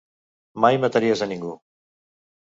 Mai mataries a ningú.